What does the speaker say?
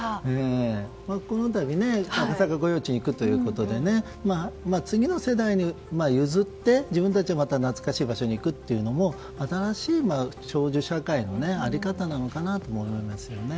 この度、赤坂御用地に行くということで次の世代に譲って自分たちは懐かしい場所に行くというのも新しい長寿社会の在り方なのかなと思いますよね。